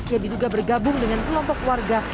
yang diduga bergabung dengan kelompok warga